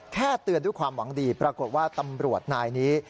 แค่เตือนด้วยความหวังดีปรากฏว่าตำรวจนายนี้